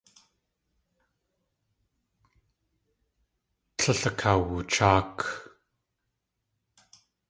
Tlél akawucháak.